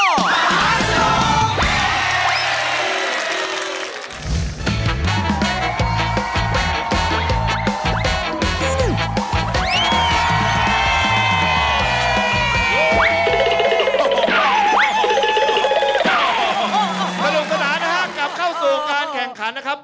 สนุกสนานนะครับกลับเข้าสู่การแข่งขันนะครับ